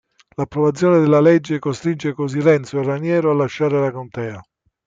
L’approvazione della legge costringe così Renzo e Raniero a lasciare la Contea.